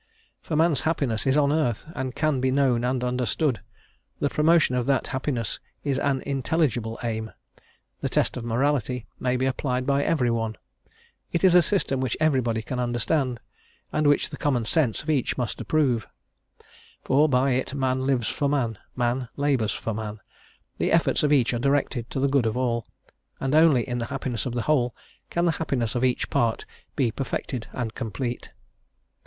For man's happiness is on earth, and can be known and understood; the promotion of that happiness is an intelligible aim; the test of morality may be applied by every one; it is a system which everybody can understand, and which the common sense of each must approve, for by it man lives for man, man labours for man, the efforts of each are directed to the good of all, and only in the happiness of the whole can the happiness of each part be perfected and complete.